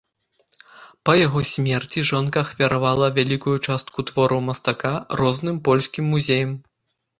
Па яго смерці жонка ахвяравала вялікую частку твораў мастака розным польскім музеям.